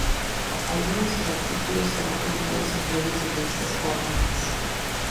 Algunos de sus artículos serán publicados en diarios y revistas foráneas.